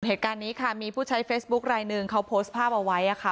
เหตุการณ์นี้ค่ะมีผู้ใช้เฟซบุ๊คลายหนึ่งเขาโพสต์ภาพเอาไว้ค่ะ